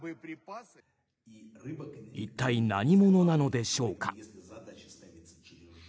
一体、何者なのでしょうか。